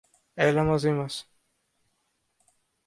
Έλα μαζί μας.